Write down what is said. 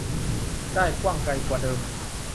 ได้กว้างไกลกว่าเดิม